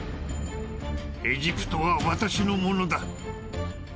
エジプトは私のものだ。